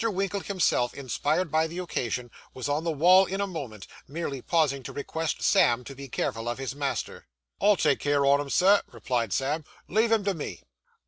Winkle himself, inspired by the occasion, was on the wall in a moment, merely pausing to request Sam to be careful of his master. 'I'll take care on him, sir,' replied Sam. 'Leave him to me.